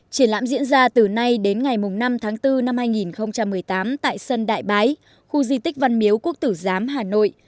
triển lãm diễn ra từ nay đến ngày năm tháng bốn năm hai nghìn một mươi tám tại sân đại bái khu di tích văn miếu quốc tử giám hà nội